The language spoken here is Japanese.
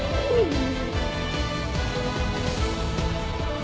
はい。